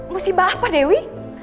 musibah apa dewi